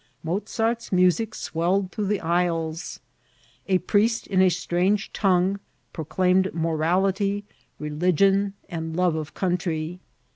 Mozart's music swelled through the aisles. A priest in a strange tongue proclaimed morality, religion, and love of country.